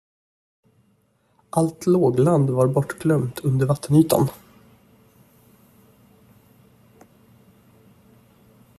Allt lågland var bortglömt under vattenytan.